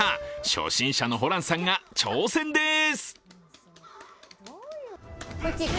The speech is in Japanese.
初心者のホランさんが挑戦です。